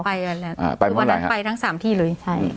คือวันนั้นไปทั้ง๓ที่เลย